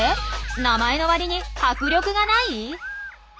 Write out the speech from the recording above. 名前のわりに迫力がない？